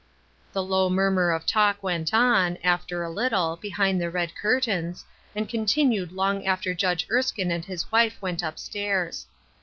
The low murmur of talk went on, after a lit tle, behind the red curtains, and continued long after Judge Erskine and his wife went up stairs.